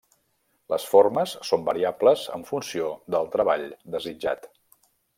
Les formes són variables en funció del treball desitjat.